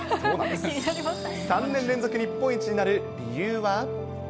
３年連続日本一になる理由は？